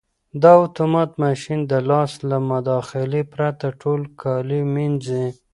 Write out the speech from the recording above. دا اتومات ماشین د لاس له مداخلې پرته ټول کالي مینځي.